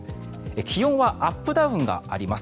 気温はアップダウンがあります。